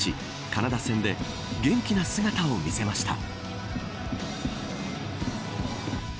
カナダ戦で元気な姿を見せました。